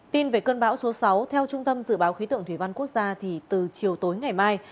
tin về cơn bão số sáu theo trung tâm dự báo khí tượng thủy văn quốc gia từ chiều tối ngày mai